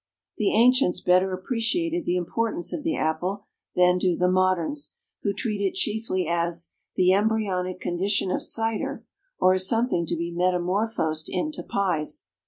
The ancients better appreciated the importance of the apple than do the moderns, who treat it chiefly as "the embryonic condition of cider or as something to be metamorphosed into pies."